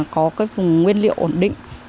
có vùng nguyên liệu ổn định